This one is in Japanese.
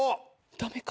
ダメか？